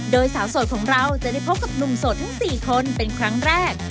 โดยสาวโสดของเราจะได้พบกับหนุ่มโสดทั้ง๔คนเป็นครั้งแรก